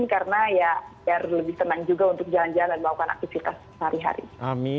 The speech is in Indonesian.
karena ya biar lebih senang juga untuk jalan jalan dan melakukan aktivitas sehari hari